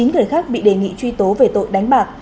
chín người khác bị đề nghị truy tố về tội đánh bạc